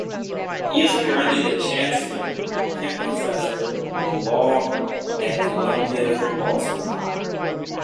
He is currently the Chancellor Kent Professor of Law at Columbia Law School.